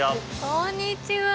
こんにちは。